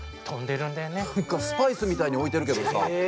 何かスパイスみたいに置いてるけどさ。